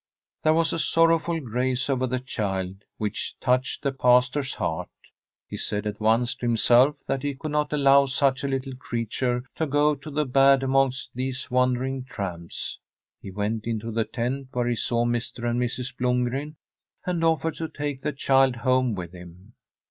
There was a sorrowful grace over the child which touched the pastor's heart. He said at once to himself that he could not allow such a little creature to go to the bad amongst these wandering tramps. He went into the tent, where he saw Mr. and Mrs. Blomgren, and offered to take the child home with him.